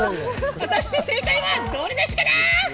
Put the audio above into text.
果たして正解はどれなっしーかな？